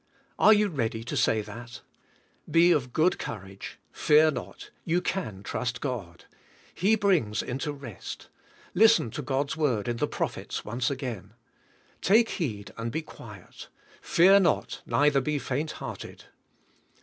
Are you ready to say that? Be of good courage; fear not, you can trust God. He brings into rest. Listen to God's word in the 60 ENTRANCE INTO REST Prophets once again: "Take heed, and be quiet. Fear not, neither be faint hearted."